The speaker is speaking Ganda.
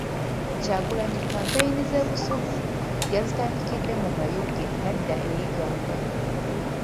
Kyagulanyi kampeyini z'e Busoga yazitandikidde mu Mayuge nadda e Iganga .